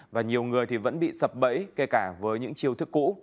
và nhiều người thì vẫn bị sập bẫy kể cả với những chiêu thức cũ